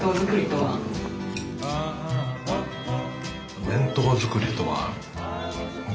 お弁当作りとは。